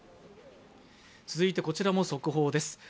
続いて、こちらも速報です。